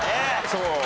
そう。